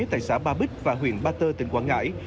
tại xã ba bích và huyện ba tơ tỉnh quảng ngãi